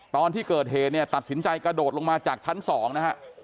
ตอนที่เกิดเหตุเนี่ยตัดสินใจกระโดดลงมาจากชั้น๒นะฮะ